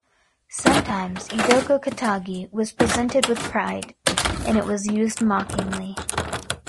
Sometimes "Edokko katagi" was presented with pride; and it was used mockingly.